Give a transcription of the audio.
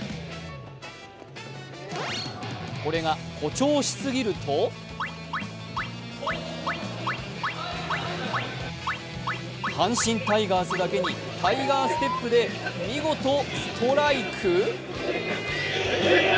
これが誇張しすぎると阪神タイガースだけにタイガーステップで見事ストライク？